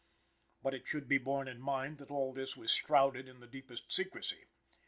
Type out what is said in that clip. But it should be borne in mind that all this was shrouded in the deepest secrecy.